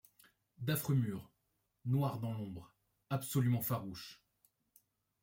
D'affreux murs, noirs dans l'ombre, absolument farouches ;